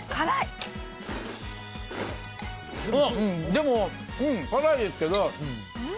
でも、辛いですけど。